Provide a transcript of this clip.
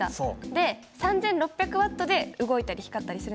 で３，６００Ｗで動いたり光ったりするんですよね